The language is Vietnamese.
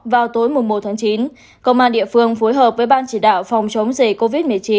vào tối một tháng chín công an địa phương phối hợp với ban chỉ đạo phòng chống dịch covid một mươi chín